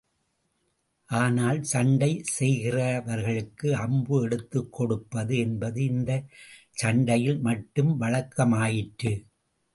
ஆனால், சண்டை செய்கிறவர்களுக்கு அம்பு எடுத்துக் கொடுப்பது என்பது இந்தச் சண்டையில் மட்டும் வழக்கமாயிற்று.